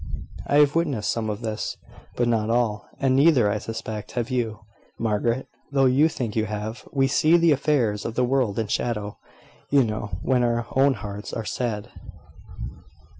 "I have witnessed some of this, but not all: and neither, I suspect, have you, Margaret, though you think you have. We see the affairs of the world in shadow, you know, when our own hearts are sad."